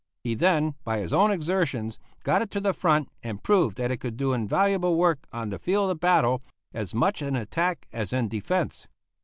He then, by his own exertions, got it to the front and proved that it could do invaluable work on the field of battle, as much in attack as in defence.